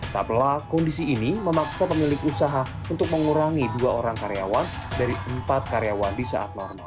tak pelah kondisi ini memaksa pemilik usaha untuk mengurangi dua orang karyawan dari empat karyawan di saat normal